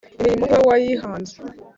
imirimo ni we wayihanze